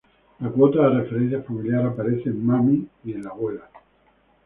La cuota de referencia familiar aparece en "Mami" y "La abuela".